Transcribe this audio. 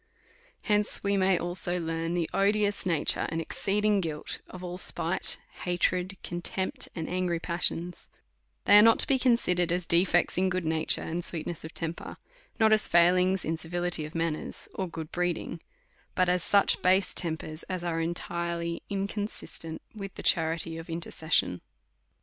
Hence we may learn the odious nature and exceed ing guilt of spite, hatred, contempt, and angry passions ; they are not to be considered as defects in good nature and sweetness of temper, not as failings in civility of manners or good breeding, but as such base tempers, as are entirely inconsistent uith the charity of inter cession.